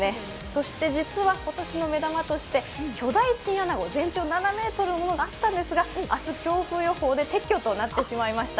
そして実は今年の目玉として巨大チンアナゴ全長７ｍのものがあったんですが強風予報で撤去となってしまいました。